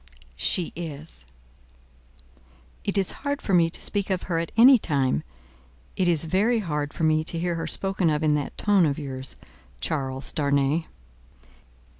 "She is." "It is hard for me to speak of her at any time. It is very hard for me to hear her spoken of in that tone of yours, Charles Darnay."